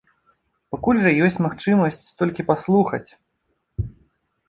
Пакуль жа ёсць магчымасць толькі паслухаць.